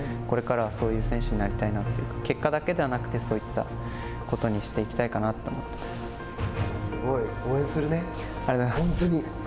これからは、そういう選手になりたいなというか結果だけではなくてそういったことにしていきたいかなって思っています。